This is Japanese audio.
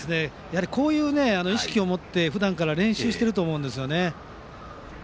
こういう意識を持ってふだんから練習していると思うんですね。